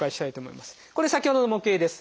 これ先ほどの模型です。